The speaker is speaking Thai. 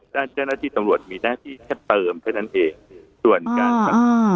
เจ้าหน้าที่ตำรวจมีหน้าที่แค่เติมเท่านั้นเองส่วนการครับ